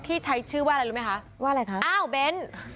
ที่ใช้ชื่อว่าอะไรรู้มั้ยคะเอ้าเบน